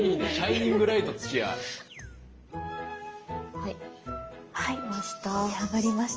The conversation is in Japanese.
はい出来ました。